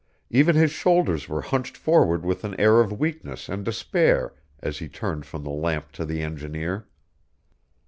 Even his shoulders were hunched forward with an air of weakness and despair as he turned from the lamp to the engineer.